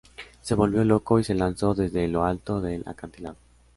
Se volvió loco, y se lanzó desde lo alto del acantilado.